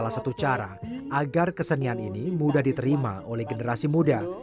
salah satu cara agar kesenian ini mudah diterima oleh generasi muda